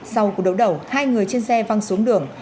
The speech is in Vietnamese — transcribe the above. sau cuộc đấu đầu hai người trên xe văng xuống đường